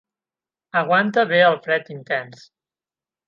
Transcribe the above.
Aguanta bé el fred intens.